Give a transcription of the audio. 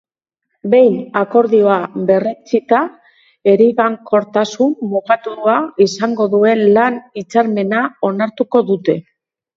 Behin akordioa berretsita, eraginkortasun mugatua izango duen lan hitzarmena onartuko dute.